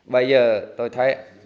bây giờ tôi thấy